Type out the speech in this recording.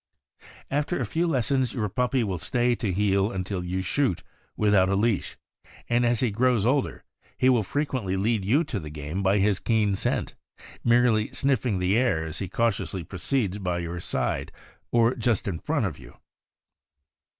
After a few lessons, your puppy will stay to heel until you shoot, without a leash; and as he grows older, he will frequently lead you to the game by his keen scent, merely sniffing the air as he cautiously proceeds by your side or just in front of you.